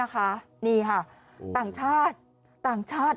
ต่างชาติ